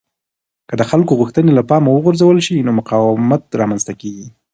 که د خلکو غوښتنې له پامه وغورځول شي نو مقاومت رامنځته کېږي